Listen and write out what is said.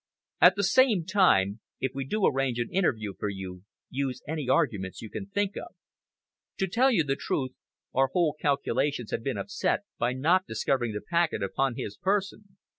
At the same time, if we do arrange an interview for you, use any arguments you can think of. To tell you the truth, our whole calculations have been upset by not discovering the packet upon his person.